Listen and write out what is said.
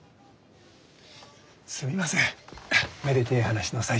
すみませんめでてえ話の最中に。